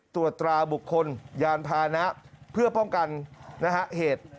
ตรวจตราบุคคลยานพานะเพื่อป้องกันนะฮะเหตุ